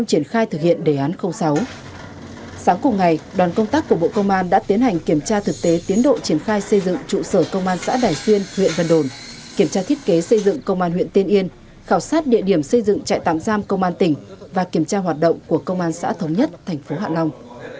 công an đã tiến hành kiểm tra thực tế tiến độ triển khai xây dựng trụ sở công an xã đài xuyên huyện vân đồn kiểm tra thiết kế xây dựng công an huyện tiên yên khảo sát địa điểm xây dựng trại tạm giam công an tỉnh và kiểm tra hoạt động của công an xã thống nhất thành phố hạ long